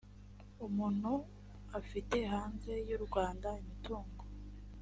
umuntu afite hanze y u rwanda imitungo